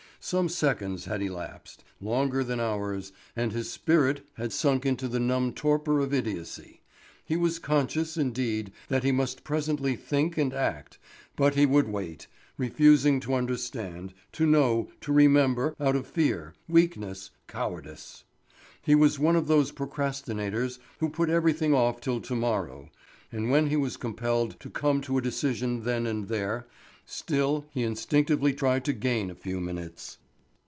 Some seconds had elapsed, longer than hours, and his spirit had sunk into the numb torpor of idiocy. He was conscious, indeed, that he must presently think and act, but he would wait, refusing to understand, to know, to remember, out of fear, weakness, cowardice. He was one of those procrastinators who put everything off till to morrow; and when he was compelled to come to a decision then and there, still he instinctively tried to gain a few minutes.